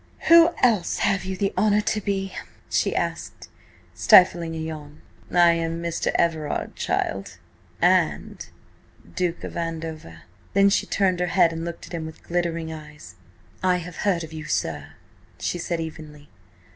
"Who else have you the honour to be?" she asked, stifling a yawn. "I am Mr. Everard, child, and Duke of Andover." Then she turned her head and looked at him with glittering eyes. "I have heard of you, sir," she said, evenly.